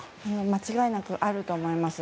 間違いなくあると思います。